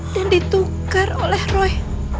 dan ditukar oleh roy